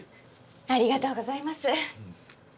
ありがとうございます。